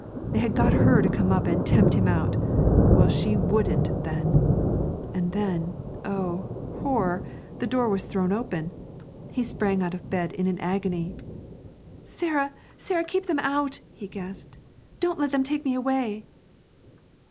They had got her to come up and tempt him out. Well, she wouldn't, then! And then oh! horror! the door was thrown open. He sprang out of bed in an agony. 'Sarah! Sarah! keep them out,' he gasped. 'Don't let them take me away!'